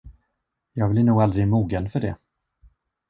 Jag blir nog aldrig mogen för det.